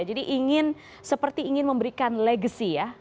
jadi ingin seperti ingin memberikan legacy ya